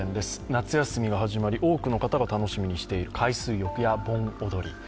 夏休みが始まり多くの方が楽しみにしている海水浴や盆踊り。